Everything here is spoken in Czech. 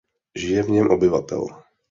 Žije v něm obyvatel.